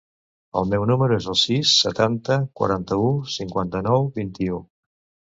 El meu número es el sis, setanta, quaranta-u, cinquanta-nou, vint-i-u.